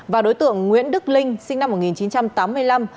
và đối tượng nguyễn đức linh sinh năm một nghìn chín trăm tám mươi năm